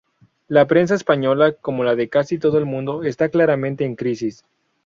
La prensa española, como la de casi todo el mundo, está claramente en crisis.